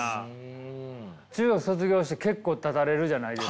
中学卒業して結構たたれるじゃないですか。